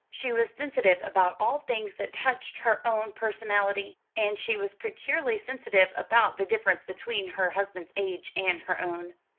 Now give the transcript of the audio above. She was sensitive about all things that touched her own personality, and she was peculiarly sensitive about the difference between her husband's age and her own.